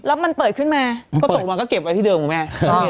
แล้วมันเปิดขึ้นมาก็ตกมาก็เก็บไว้ที่เดิมของแม่